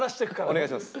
お願いします。